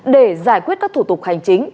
để giải quyết các thủ tục hành chính